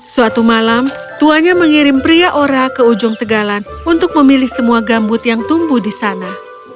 suatu malam tuanya mengirim pria ora ke ujung tegalan untuk memilih semua gambut yang tumbuh di sana